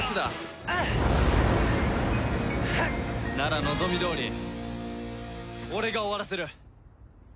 なら望みどおり俺が終わらせる。